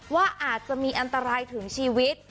ว่าอาจจะมีอันตรายถึงชีวิต